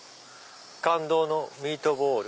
「感動ミートボール」。